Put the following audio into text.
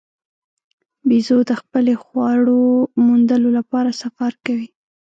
بیزو د خپلې خواړو موندلو لپاره سفر کوي.